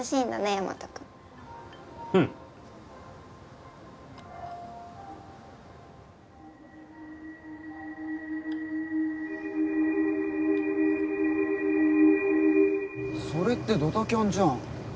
ヤマト君うんそれってドタキャンじゃん